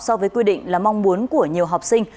so với quy định là mong muốn của nhiều học sinh